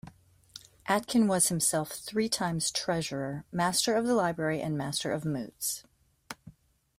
Atkin was himself three times Treasurer, Master of the Library and Master of Moots.